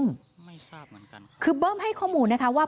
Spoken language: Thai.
ไม่ทราบเหมือนกันคือเบิ้มให้ข้อมูลนะคะว่า